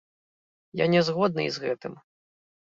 Я не згодны і з гэтым.